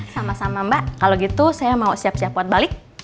sama sama mbak kalau gitu saya mau siap siap buat balik